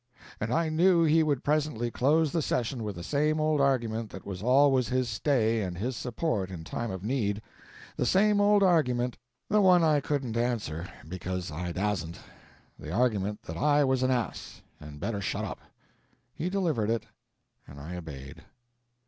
And I knew he would presently close the session with the same old argument that was always his stay and his support in time of need; the same old argument, the one I couldn't answer, because I dasn't—the argument that I was an ass, and better shut up. He delivered it, and I obeyed.